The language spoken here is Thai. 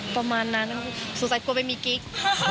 ประมาณนั้นสงสัยกลัวไปมีกิ๊ก